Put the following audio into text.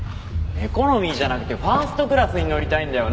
エコノミーじゃなくてファーストクラスに乗りたいんだよ。